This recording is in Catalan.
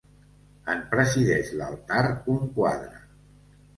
En presideix l'altar un quadre.